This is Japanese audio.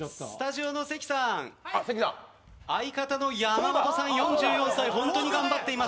スタジオの関さん相方の山本さん４４歳本当に頑張っています。